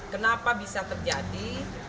kenapa bisa terjadi